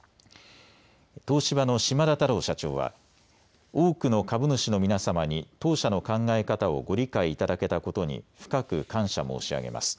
東芝の島田太郎社長は多くの株主の皆様に当社の考え方をご理解いただけたことに深く感謝申し上げます。